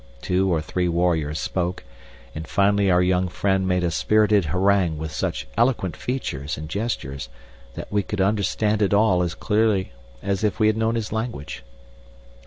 Two or three warriors spoke, and finally our young friend made a spirited harangue with such eloquent features and gestures that we could understand it all as clearly as if we had known his language.